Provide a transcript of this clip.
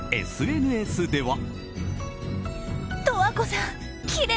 ＳＮＳでは。